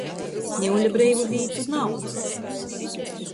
Niule breivu vītu nav.